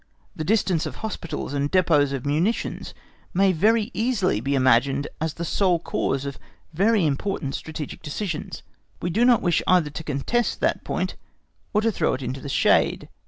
The distance of hospitals and depôts of munitions may very easily be imagined as the sole cause of very important strategic decisions. We do not wish either to contest that point or to throw it into the shade.